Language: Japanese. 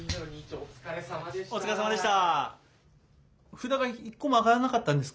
お疲れさまでした。